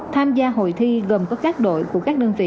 tham gia hội thi gồm có các đội của các đơn vị